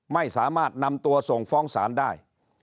ไม่สามารถนำตัวส่งฟ้องศาลได้